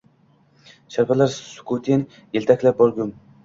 Sharpalar sukutin yelkalab borgum